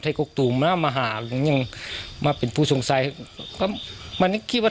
ไทยกรกตูมน่ะมาหายังมาเป็นผู้สงสัยมันนี่คิดว่า